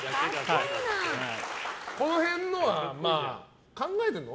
この辺のは考えてるの？